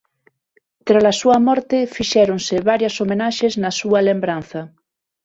Trala súa morte fixéronse varias homenaxes na súa lembranza.